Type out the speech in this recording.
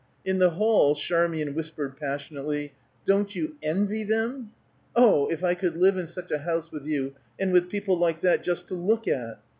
In the hall, Charmian whispered passionately, "Don't you envy them? Oh, if I could live in such a house with you, and with people like that just to look at!"